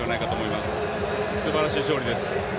すばらしい勝利です。